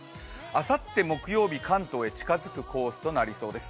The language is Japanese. あさって木曜日、関東へ近づくコースとなりそうです。